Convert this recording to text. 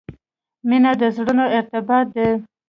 • مینه د زړونو ارتباط دی.